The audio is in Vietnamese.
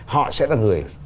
họ sẽ là người